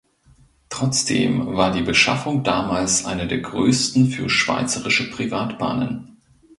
Trotzdem war die Beschaffung damals eine der grössten für schweizerische Privatbahnen.